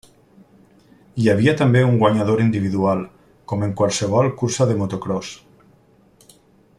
Hi havia també un guanyador individual, com en qualsevol cursa de motocròs.